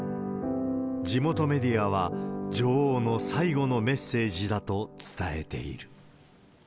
地元メディアは、女王の最後のメッセージだと伝えている。